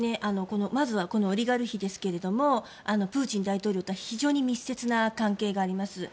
まずはこのオリガルヒですがプーチン大統領と非常に密接な関係があります。